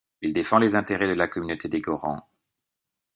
Il défend les intérêts de la communauté des Gorans.